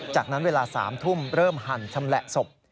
จากนั้นเวลา๓ทุ่มเริ่มหั่นชำแหละศพ